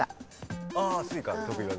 Ｓｕｉｃａ得意技。